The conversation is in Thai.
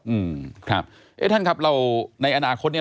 อืมครับเอ๊ะท่านครับเราในอนาคตเนี้ย